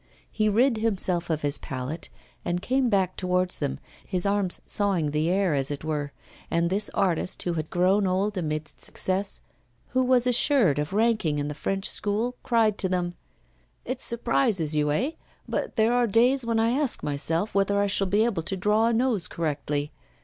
He rid himself of his palette, and came back towards them, his arms sawing the air, as it were; and this artist, who had grown old amidst success, who was assured of ranking in the French School, cried to them: 'It surprises you, eh? but there are days when I ask myself whether I shall be able to draw a nose correctly.